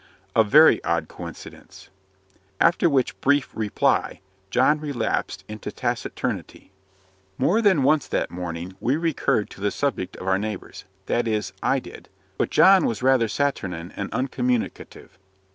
"A very odd coincidence." After which brief reply John relapsed into taciturnity. More than once that morning we recurred to the subject of our neighbours that is, I did but John was rather saturnine and uncommunicative.